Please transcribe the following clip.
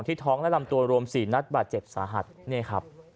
ท้องและลำตัวรวม๔นัดบาดเจ็บสาหัสนี่ครับ